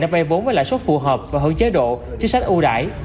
đã vây vốn với lãi suất phù hợp và hướng chế độ chức sách ưu đại